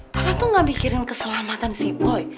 papa tuh nggak mikirin keselamatan si boy